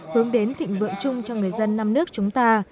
hướng đến thịnh vượng chung cho người dân năm nước chúng ta